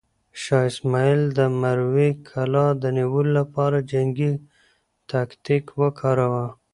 شاه اسماعیل د مروې کلا د نیولو لپاره جنګي تاکتیک وکاراوه.